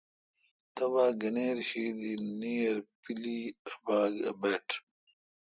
تبا گنیر شی دی نییرپیلی ا باگ اے°بٹ۔